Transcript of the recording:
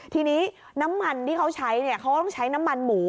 ทีนี้น้ำมันที่เขาใช้เขาก็ต้องใช้น้ำมันหมู